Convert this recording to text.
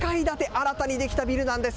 新たにできたビルなんです。